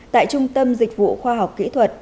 tại trung tâm dịch vụ khoa học kỹ thuật